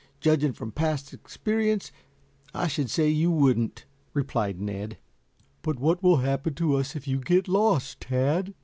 Judging from past experience, I should say you wouldn't," replied Ned. "But what will happen to us if you get lost, Tad?"